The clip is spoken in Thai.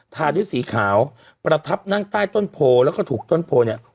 ทาด้วยสีขาวประทับนั่งใต้ต้นโพแล้วก็ถูกต้นโพเนี่ย